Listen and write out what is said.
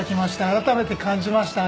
改めて感じました。